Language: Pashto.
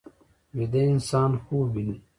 ویده انسان خوب ویني